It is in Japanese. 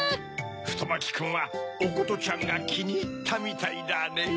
ふとまきくんはおことちゃんがきにいったみたいだねぇ。